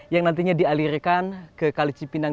yang nantinya dialirkan ke kali cipinang